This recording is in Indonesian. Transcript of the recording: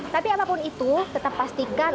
tapi apapun itu tetap pastikan